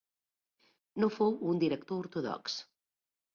No fou un director ortodox.